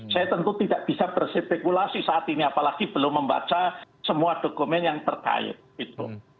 saya tentu tidak bisa berspekulasi saat ini apalagi belum membaca semua dokumen yang terkait gitu